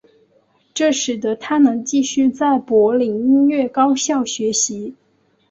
这使得他能继续在柏林音乐高校学习。